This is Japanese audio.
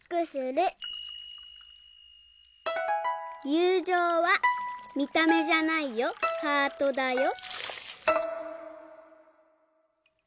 「ゆうじょうは見た目じゃないよハートだよ」。